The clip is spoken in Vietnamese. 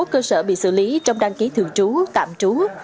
một trăm sáu mươi một cơ sở bị xử lý trong đăng ký thường trú tạm trú